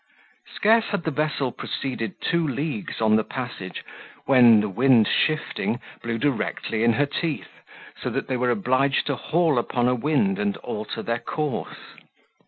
Scarce had the vessel proceeded two leagues on the passage, when, the wind shifting, blew directly in her teeth; so that they were obliged to haul upon a wind, and alter their course.